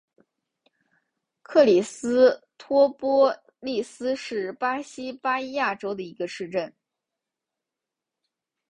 克里斯托波利斯是巴西巴伊亚州的一个市镇。